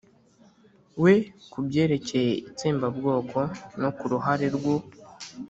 we ku byerekeye itsembabwoko no ku ruhare rw'u